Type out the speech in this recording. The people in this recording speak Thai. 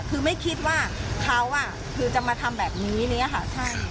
คือไม่คิดว่าเขาจะมาทำแบบนี้ค่ะ